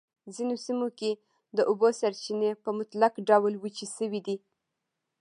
ځینو سیمو کې د اوبو سرچېنې په مطلق ډول وچې شوی دي.